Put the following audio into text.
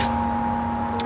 gua gak apa